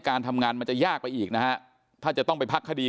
การทำงานมันจะยากไปอีกนะฮะถ้าจะต้องไปพักคดี